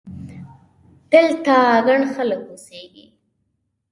دلته ګڼ خلک اوسېږي!